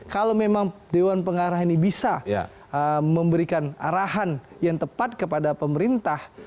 kalau memang dewan pengarah ini bisa memberikan arahan yang tepat kepada pemerintah